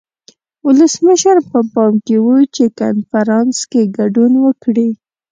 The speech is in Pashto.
ولسمشر په پام کې و چې کنفرانس کې ګډون وکړي.